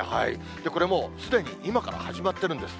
これもう、すでに今から始まってるんです。